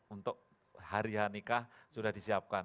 untuk hari hari nikah sudah disiapkan